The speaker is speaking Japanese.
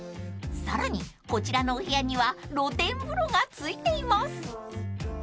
［さらにこちらのお部屋には露天風呂が付いています］